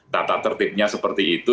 tata tertibnya seperti itu